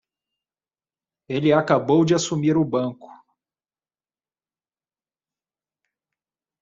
Ele acabou de assumir o banco.